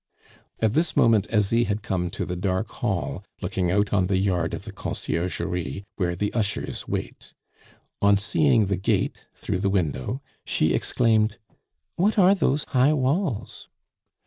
At this moment Asie had come to the dark hall looking out on the yard of the Conciergerie, where the ushers wait. On seeing the gate through the window, she exclaimed: "What are those high walls?"